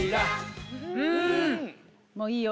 もういいよ